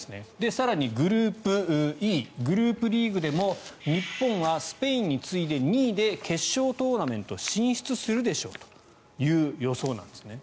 更にグループＥグループリーグでも日本はスペインに次いで２位で決勝トーナメントに進出するでしょうという予想なんですね。